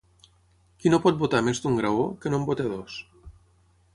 Qui no pot botar més d'un graó, que no en boti dos.